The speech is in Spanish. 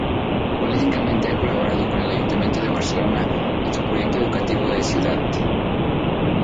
Políticamente ha colaborado con el ayuntamiento de Barcelona en su Proyecto Educativo de Ciutat.